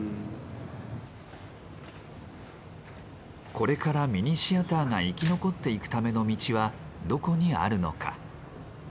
これからミニシアターが生き残っていくための道はどこにあるのか？